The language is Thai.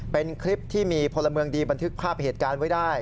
เป็นคลิปที่มีพลเมืองดีบันทึกภาพเหตุการณ์ไว้ได้